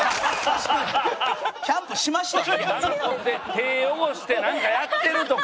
手汚してなんかやってるとか。